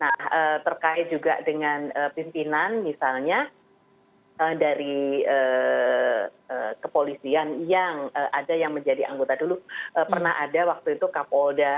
nah terkait juga dengan pimpinan misalnya dari kepolisian yang ada yang menjadi anggota dulu pernah ada waktu itu kapolda